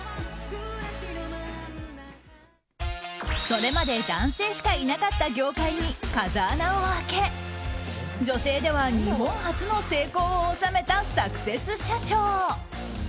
それまで男性しかいなかった業界に風穴を開け女性では日本初の成功を収めたサクセス社長。